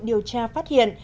điều tra phát hiện